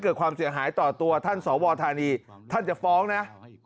เกิดความเสียหายต่อตัวท่านสวธานีท่านจะฟ้องนะ